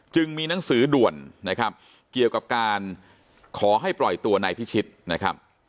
มีหนังสือด่วนนะครับเกี่ยวกับการขอให้ปล่อยตัวนายพิชิตนะครับ